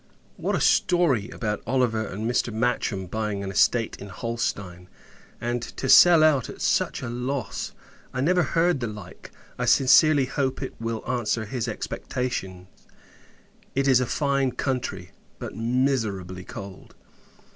What a story, about Oliver and Mr. Matcham buying an estate in Holstein; and, to sell out at such a loss! I never heard the like. I sincerely hope it will answer his expectations; it is a fine country, but miserably cold.